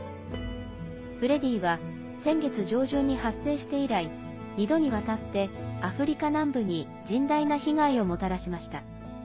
フレディは先月上旬に発生して以来２度にわたって、アフリカ南部に甚大な被害をもたらしました。